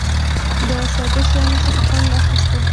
د ساده شیانو څخه خوند اخیستل.